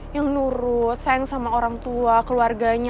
yang nurut sayang sama orang tua keluarganya